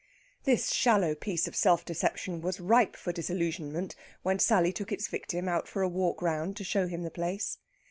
This shallow piece of self deception was ripe for disillusionment when Sally took its victim out for a walk round to show him the place.